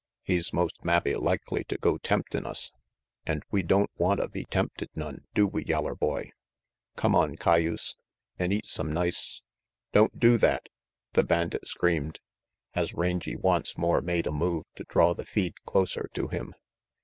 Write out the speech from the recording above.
He's most mabbe likely to go temptin' us. An' we don't wantta be tempted none, do we, yeller boy? Cummon, cayuse, an' eat some nice "Don't do that," the bandit screamed, as Rangy once more made a move to draw the feed closer to him.